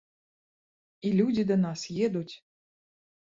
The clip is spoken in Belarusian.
І людзі да нас едуць!